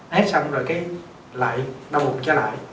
hết xong rồi cái lại đau bụng trở lại